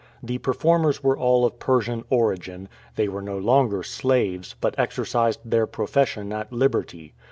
The performers were all of Persian origin; they were no longer slaves, but exercised their profession at liberty.